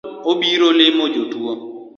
Jonyuol obiro limo jatuo